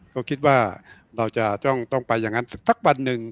ก็คิดว่าเราจะต้องไปอย่างนั้นสักวันหนึ่ง